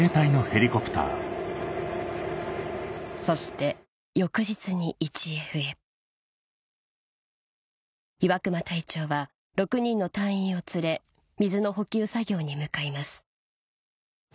そして翌日に１Ｆへ岩熊隊長は６人の隊員を連れ水の補給作業に向かいます